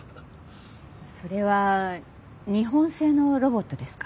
それは日本製のロボットですか？